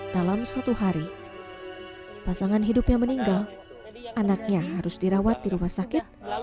dalam satu hari pasangan hidupnya meninggal anaknya harus dirawat di rumah sakit